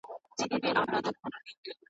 الوداع درڅخه ولاړم ستنېدل مي بیرته نسته .